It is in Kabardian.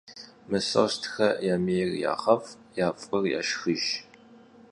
Mısostxe yamêyr yağef', ya f'ır yaşşxıjj.